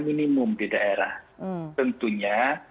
minimum di daerah tentunya